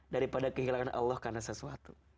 daripada kehilangan allah karena sesuatu